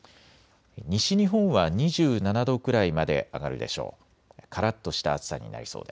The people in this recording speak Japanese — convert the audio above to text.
西日本は２７度くらいまで上がるでしょう。